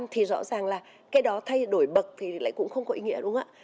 thì rõ ràng là cái đó thay đổi bậc thì lại cũng không có ý nghĩa đúng không ạ